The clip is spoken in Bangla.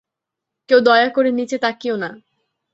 কেউ দয়া করে নিচে তাকিও না।